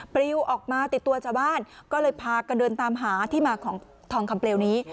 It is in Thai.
ปลิวออกมาติดตัวชาวบ้านก็เลยพากันเดินตามหาที่มาของทองคำเปลวนี้